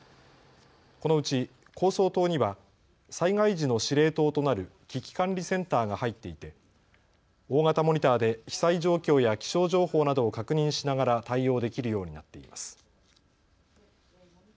このうち高層棟には災害時の司令塔となる危機管理センターが入っていて大型モニターで被災状況や気象情報などを確認しながら対応できるようになっています。